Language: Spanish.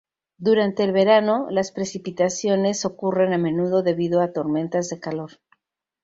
Durante el verano, las precipitaciones ocurren a menudo debido a tormentas de calor.